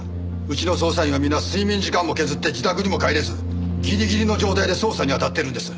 うちの捜査員は皆睡眠時間も削って自宅にも帰れずギリギリの状態で捜査に当たってるんです。